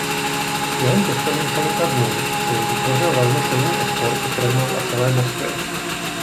Během těchto několika dnů si vytvořil velmi silný odpor ke Kremlu a celé Moskvě.